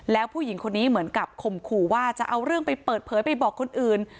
แล้วผู้หญิงคนนี้เหมือนกับข่มขู่ว่าจะเอาเรื่องไปเปิดเผยไปบอกคนอื่น